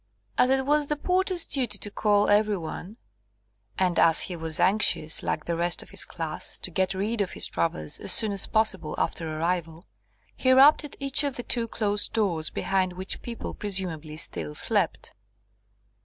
As it was the porter's duty to call every one, and as he was anxious, like the rest of his class, to get rid of his travellers as soon as possible after arrival, he rapped at each of the two closed doors behind which people presumably still slept.